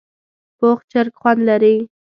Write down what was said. پوخ چرګ خوند لري